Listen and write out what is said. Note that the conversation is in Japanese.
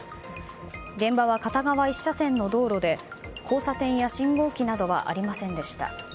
現場は、片側１車線の道路で交差点や信号機などはありませんでした。